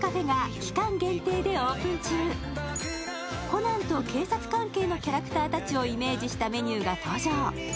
コナンと警察関係のキャラクターたちをイメージしたメニューが登場。